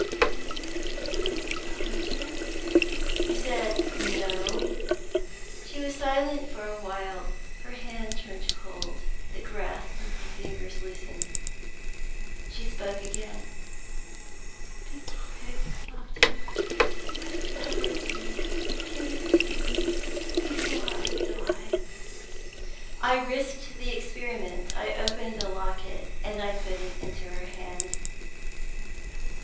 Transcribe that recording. "'Is there a letter?' "I said 'No.' "She was silent for a while. Her hand turned cold; the grasp of her fingers loosened. She spoke again: 'Be quick, doctor! Whatever it is, give it to me, before I die.' "I risked the experiment; I opened the locket, and put it into her hand.